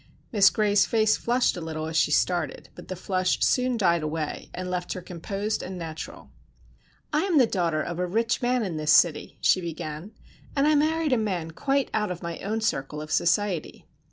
Miss Gray's face flushed a little as she started, but the flush soon died away and left her composed and natural. "I am the daughter of a rich man in this city," she began, "and I married a man quite out of my own circle of society.